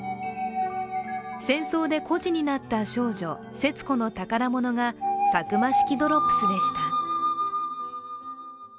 戦争で孤児になった少女・節子の宝物がサクマ式ドロップスでした。